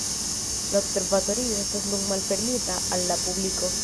La observatorio estas nun malfermita al la publiko.